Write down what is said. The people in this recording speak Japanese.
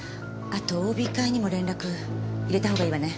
あとＯＢ会にも連絡入れたほうがいいわね。